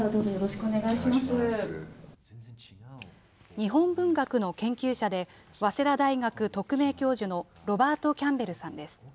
日本文学の研究者で、早稲田大学特命教授のロバート・キャンベルさんです。